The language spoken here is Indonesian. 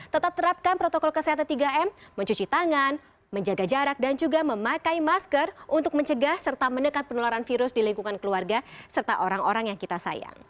tetap terapkan protokol kesehatan tiga m mencuci tangan menjaga jarak dan juga memakai masker untuk mencegah serta menekan penularan virus di lingkungan keluarga serta orang orang yang kita sayang